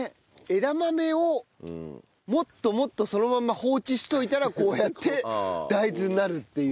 枝豆をもっともっとそのまんま放置しといたらこうやって大豆になるっていう。